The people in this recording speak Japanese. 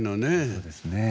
そうですねえ。